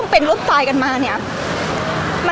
พี่ตอบได้แค่นี้จริงค่ะ